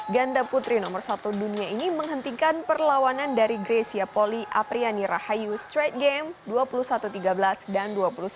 ganda putri nomor satu dunia ini menghentikan perlawanan dari grecia poli apriani rahayu straight game dua puluh satu tiga belas dan dua puluh satu sembilan belas